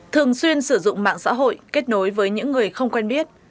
thường xuyên sử dụng mạng xã hội kết nối với những người không quen biết